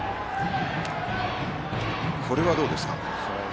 これはどうですか？